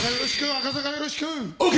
赤坂、よろしく！ＯＫ。